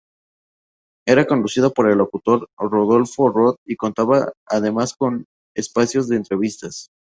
Era conducido por el locutor Rodolfo Roth y contaba además con espacios de entrevistas.